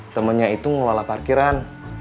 temennya itu ngelola parkiran